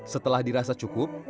setelah dirasa cukup